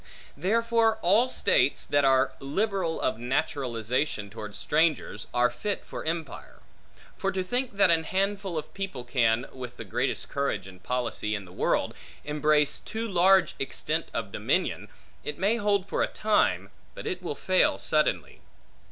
Therefore all states that are liberal of naturalization towards strangers, are fit for empire. For to think that an handful of people can, with the greatest courage and policy in the world, embrace too large extent of dominion, it may hold for a time, but it will fail suddenly.